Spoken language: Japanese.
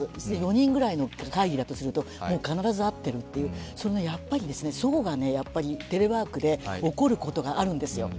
４人ぐらいの会議だとするともう必ず会っているという、やっぱりそごがテレワークで起こることがあるんですよ。